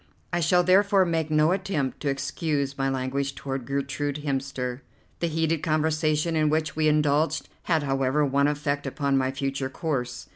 I shall therefore make no attempt to excuse my language toward Gertrude Hemster. The heated conversation in which we indulged had, however, one effect upon my future course.